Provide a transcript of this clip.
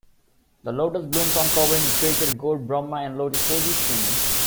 The lotus blooms uncovering the creator god Brahma in lotus position.